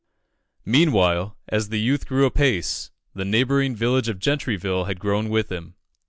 Meanwhile, as the youth grew apace, the neighbouring village of Gentryville had grown with him.